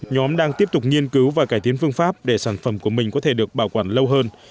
nhóm đang tiếp tục nghiên cứu và cải tiến phương pháp để sản phẩm của mình có thể được bảo quản lâu hơn